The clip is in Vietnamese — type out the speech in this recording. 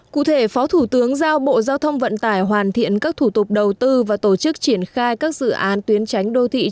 cụ thể phó thủ tướng giao bộ giao thông vận tải hoàn thiện các thủ tục đầu tư và tổ chức triển khai các dự án tuyến tránh đô thị